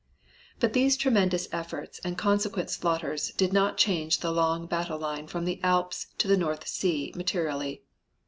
But these tremendous efforts and consequent slaughters did not change the long battle line from the Alps to the North Sea materially.